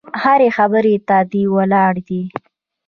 هرې خبرې ته دې ولاړ دي.